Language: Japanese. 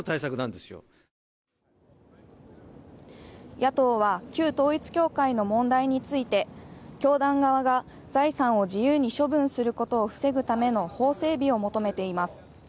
野党は旧統一教会の問題について教団側が財産を自由に処分することを防ぐための法整備を求めています。